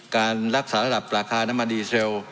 การรักษาระดับราคาน้ำมันดีเซล